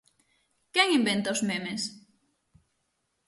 Quen inventa os memes?